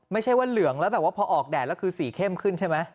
ไม่ใช่ว่าเหลืองแล้วแบบว่าพอออกแดดแล้วคือสีเข้มขึ้นใช่ไหม